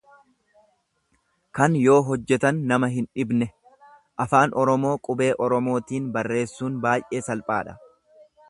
Kan yoo hojjetan nama hindhibne; Afaan Oromoo qubee Oromootiin barreessuun baay'eee salphaadha.